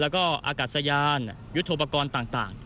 ก็อากาศซะยานยุทธฟภกรณ์ต่าง